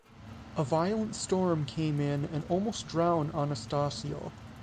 A violent storm came in and almost drowned Anastasio.